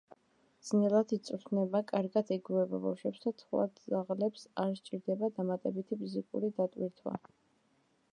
ძნელად იწვრთნება, კარგად ეგუება ბავშვებს და სხვა ძაღლებს, არ სჭირდება დამატებითი ფიზიკური დატვირთვა.